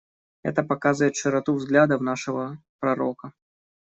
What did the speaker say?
Это показывает широту взглядов нашего пророка.